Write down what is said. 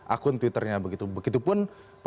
akun twitter nya begitu begitupun